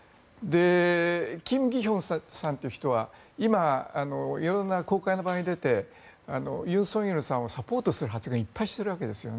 キム・ギヒョンさんという人は今、色んな公開の場に出て尹錫悦さんをサポートする発言をいっぱいしているわけですよね